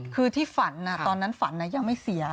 คือที่ฝันตอนนั้นฝันยังไม่เสีย